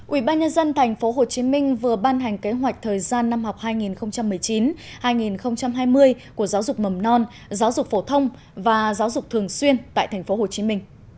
ubnd tp hcm vừa ban hành kế hoạch thời gian năm học hai nghìn một mươi chín hai nghìn hai mươi của giáo dục mầm non giáo dục phổ thông và giáo dục thường xuyên tại tp hcm